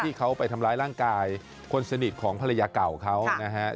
ที่เขาไปทำร้ายร่างกายคนสนิทของภรรยาเก่าเขานะฮะ